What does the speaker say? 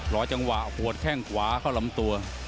รอจังหวะหัวแข้งขวาเข้าลำตัว